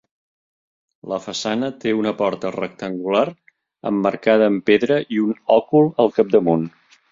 La façana té una porta rectangular emmarcada amb pedra i un òcul al capdamunt.